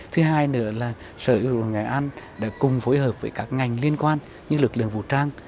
thứ hai nữa là sở hữu nghệ an đã cùng phối hợp với các ngành liên quan như lực lượng vũ trang